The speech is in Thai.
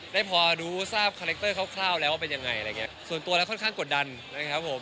ได้พอรู้ทราบคาแรคเตอร์คร่าวแล้วว่าเป็นยังไงอะไรอย่างเงี้ยส่วนตัวแล้วค่อนข้างกดดันนะครับผม